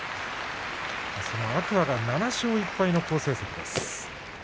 天空海７勝１敗の好成績です。